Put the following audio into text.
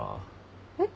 えっ？